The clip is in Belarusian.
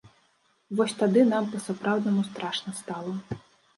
Вось тады нам па-сапраўднаму страшна стала.